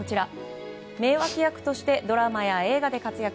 名わき役としてドラマや映画で活躍